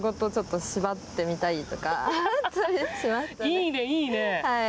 いいねいいね